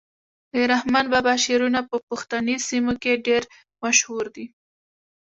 د رحمان بابا شعرونه په پښتني سیمو کي ډیر مشهور دي.